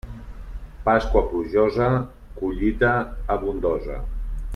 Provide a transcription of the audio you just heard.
Pasqua plujosa, collita abundosa.